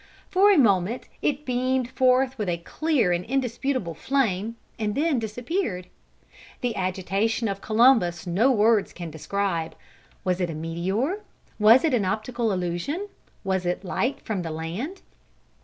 For a moment it beamed forth with a clear and indisputable flame and then disappeared. The agitation of Columbus no words can describe. Was it a meteor? Was it an optical illusion? Was it light from the land?